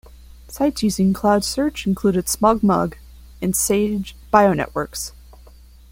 Sites using CloudSearch included SmugMug, and Sage Bionetworks.